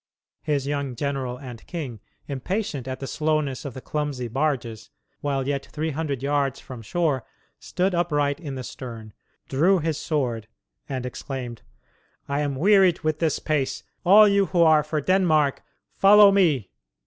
His young general and king, impatient at the slowness of the clumsy barges, while yet three hundred yards from shore, stood upright in the stern, drew his sword, and exclaimed: "I am wearied with this pace. All you who are for Denmark follow me!"